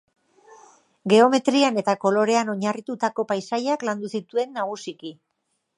Geometrian eta kolorean oinarritutako paisaiak landu zituen nagusiki.